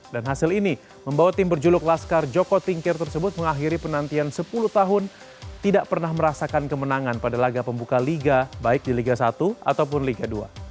dan hasil ini membawa tim berjuluk laskar joko tinkir tersebut mengakhiri penantian sepuluh tahun tidak pernah merasakan kemenangan pada laga pembuka liga baik di liga satu ataupun liga dua